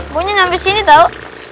boknya nyampe sini tau